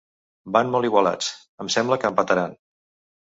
Van molt igualats: em sembla que empataran.